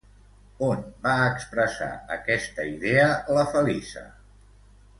On va expressar aquesta idea la Felisa?